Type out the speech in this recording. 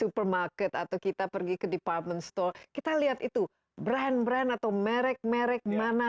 supermarket atau kita pergi ke department store kita lihat itu brand brand atau merek merek mana